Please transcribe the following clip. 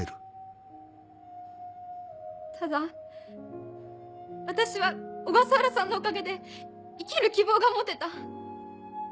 ただ私は小笠原さんのおかげで生きる希望が持てた。